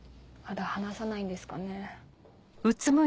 まだ話さないんですかね。